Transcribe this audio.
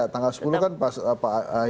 tanggal sepuluh katanya kan